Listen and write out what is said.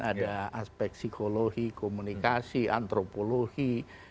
ada aspek psikologi komunikasi antropologi